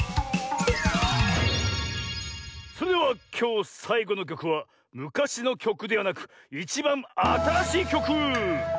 それではきょうさいごのきょくはむかしのきょくではなくいちばんあたらしいきょく！